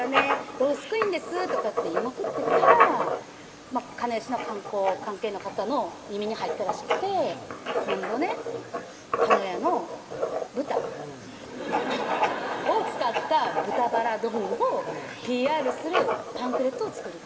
「ロースクイーンです」とかって言いまくってたら鹿屋市の観光関係の方の耳に入ったらしくて「今度ね鹿屋の豚を使った豚ばら丼をＰＲするパンフレットを作る」